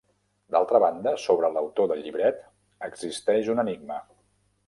D'altra banda, sobre l'autor del llibret existeix un enigma.